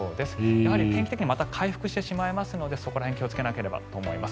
やはり天気的にまた回復してしまいますのでそこら辺を気をつけなければと思います。